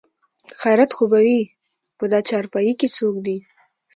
خېرت خو به وي په دا چارپايي کې څوک دي?